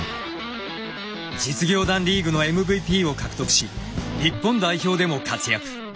実業団リーグのＭＶＰを獲得し日本代表でも活躍。